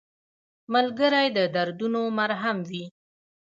ملګری د دردونو مرهم وي